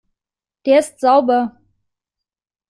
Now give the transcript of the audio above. Der ist sauber.